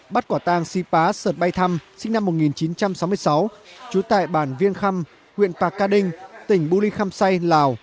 bắt quả tang si phá sợt bay thăm sinh năm một nghìn chín trăm sáu mươi sáu trú tại bàn viên khăm huyện pạc ca đinh tỉnh bùi ly khăm say lào